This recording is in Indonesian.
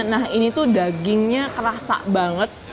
nah ini tuh dagingnya kerasa banget